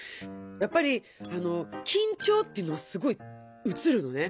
やっぱりきんちょうっていうのはすごいうつるのね。